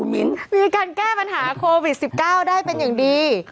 มีการแก้ปัญหาโควิด๑๙ได้เป็นอย่างดี